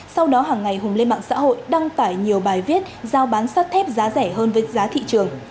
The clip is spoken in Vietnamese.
sau đó hàng ngày hùng lên mạng xã hội đăng tải nhiều bài viết giao bán sắt thép giá rẻ hơn với giá thị trường